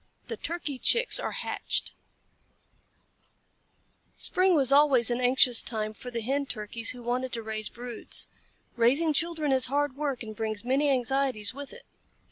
THE TURKEY CHICKS ARE HATCHED Spring was always an anxious time for the Hen Turkeys who wanted to raise broods. Raising children is hard work and brings many anxieties with it.